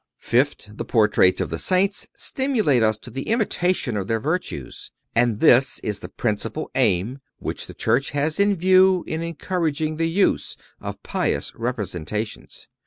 Fifth—The portraits of the Saints stimulate us to the imitation of their virtues; and this is the principal aim which the Church has in view in encouraging the use of pious representations.